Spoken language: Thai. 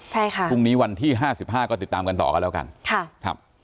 ใช่ค่ะพรุ่งนี้วันที่ห้าสิบห้าก็ติดตามกันต่อกันแล้วกันค่ะครับ